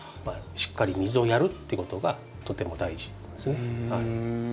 しっかり水をやるっていうことがとても大事なんですね。